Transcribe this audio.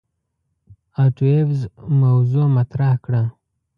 آټو ایفز موضوغ مطرح کړه.